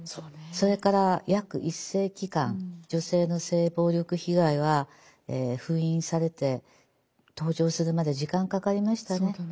それから約１世紀間女性の性暴力被害は封印されて登場するまで時間かかりましたね。